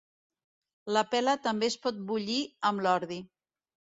La pela també es pot bullir amb l'ordi.